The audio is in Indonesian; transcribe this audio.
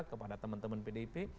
kepada teman teman pdp